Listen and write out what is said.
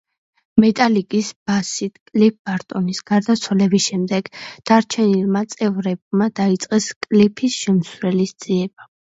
მეტალიკის ბასისტ კლიფ ბარტონის გარდაცვალების შემდეგ, დარჩენილმა წევრებმა დაიწყეს კლიფის შემცვლელის ძიება.